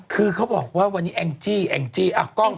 คือเขาบอกว่าวันนี้แอ่งจี้